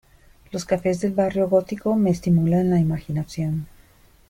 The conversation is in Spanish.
Los cafés del Barrio Gótico me estimulan la imaginación.